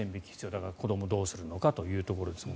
だから、子どもはどうするのかというところですが。